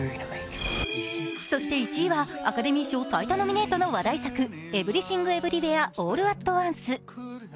そして１位はアカデミー賞最多ノミネートの話題作「エブリシング・エブリウェア・オール・アット・ワンス」。